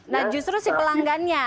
nah justru si pelanggannya